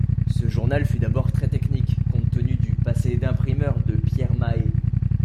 Ce journal fut d'abord très technique, compte tenu du passé d'imprimeur de Pierre Mahé.